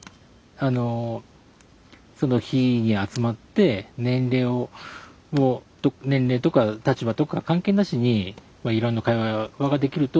その火に集まって年齢とか立場とか関係なしにいろんな会話ができると。